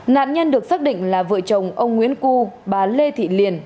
nạn nhân được xác định là vợ chồng ông nguyễn cu bà lê thị liền